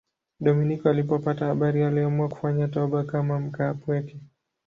Dominiko alipopata habari aliamua kufanya toba kama mkaapweke.